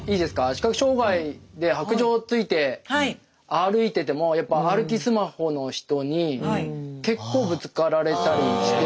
視覚障害で白杖をついて歩いててもやっぱ歩きスマホの人に結構ぶつかられたりして。